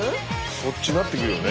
そっちなってくるよね？